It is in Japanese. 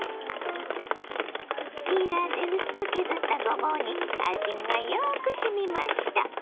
ピーラーで薄く削ったごぼうに味がよくしみました。